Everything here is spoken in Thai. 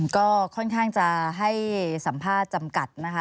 ก็ค่อนข้างจะให้สัมภาษณ์จำกัดนะคะ